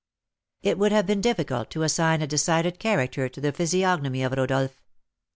It would have been difficult to assign a decided character to the physiognomy of Rodolph.